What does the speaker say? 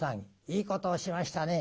いいことをしましたね。